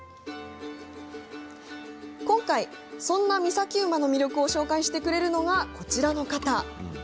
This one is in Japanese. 今回、そんな岬馬の魅力を紹介してくれるのが、こちらの方。